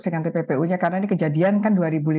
dengan tppu nya karena ini kejadian kan dua ribu lima belas